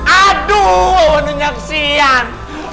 aduh waduh nyaksian